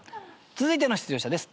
続いての出場者です。